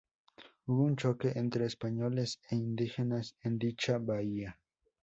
Hubo un choque entre españoles e indígenas en dicha bahía.